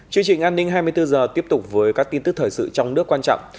chương trình an ninh hai mươi bốn h tiếp tục với các tin tức thời sự trong nước quan trọng